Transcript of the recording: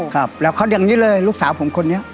เขาอย่างนี้เลยลูกสาวผมคนนี้